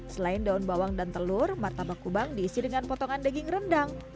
selain daun bawang dan telur martabak kubang diisi dengan potongan daging rendang